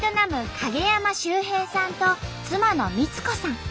陰山修平さんと妻の三津子さん。